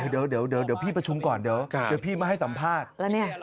เดี๋ยวพี่ประชุมก่อนเดี๋ยวพี่มาให้สัมภาษณ์